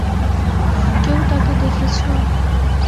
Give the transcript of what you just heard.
কেউ তাকে দেখেছো?